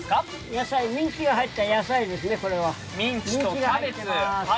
野菜、ミンチが入った野菜ですね、これは。